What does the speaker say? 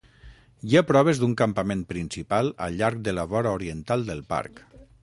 Hi ha proves d'un campament principal al llarg de la vora oriental del parc.